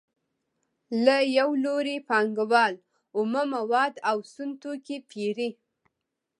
له یو لوري پانګوال اومه مواد او سون توکي پېري